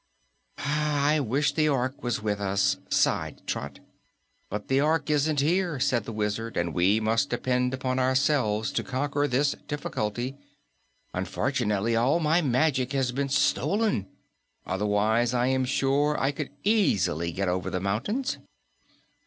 "I wish the Ork was with us," sighed Trot. "But the Ork isn't here," said the Wizard, "and we must depend upon ourselves to conquer this difficulty. Unfortunately, all my magic has been stolen, otherwise I am sure I could easily get over the mountains."